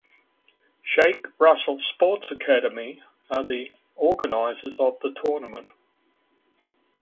Sheikh Russel Sports Academy are the organizers of the tournament.